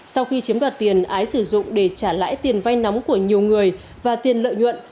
sau khi chiếm đoạt tiền ái sử dụng để trả lãi tiền vay nóng của nhiều người và tiền lợi nhuận